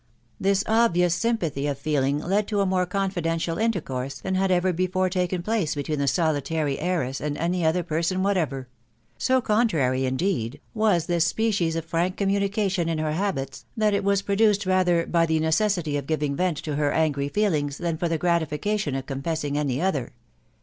This obvious sympathy o£ £ediu&'\£& to * THK WIDOW BARNABY. 77 ' more confidential intercourse than had ever before taken place between the solitary heiress and any other person whatever ; so contrary, indeed, was this species of frank communication to her habits, that it was produced rather by the necessity of giving vent to her angry feelings, than for the gratification of confessing any other.